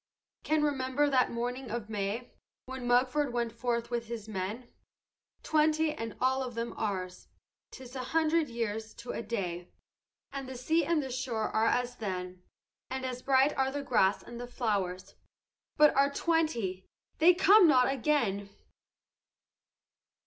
"Can remember that morning of May, When Mugford went forth with his men, Twenty, and all of them ours. 'Tis a hundred years to a day, And the sea and the shore are as then, And as bright are the grass and the flowers; But our twenty they come not again!